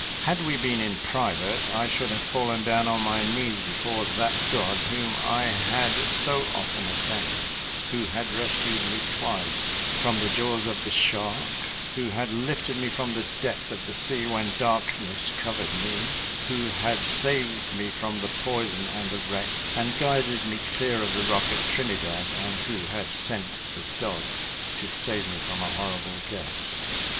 Had we been in private, I could have fallen down on my knees before that God whom I had so often offended; who had rescued me twice from the jaws of the shark; who had lifted me from the depth of the sea when darkness covered me; who had saved me from the poison and the wreck, and guided me clear of the rock at Trinidad; and who had sent the dog to save me from a horrible death.